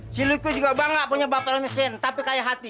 si luki juga banget punya bapak yang miskin tapi kaya hati